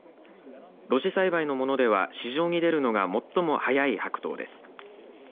露地栽培のものでは市場に出るのが最も早い白桃です。